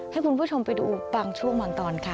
ให้คุณผู้ชมไปดูบางช่วงบางตอนค่ะ